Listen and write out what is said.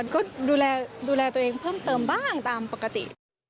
ก็ดูแลตัวเองเพิ่มเติมบ้างตามปกติ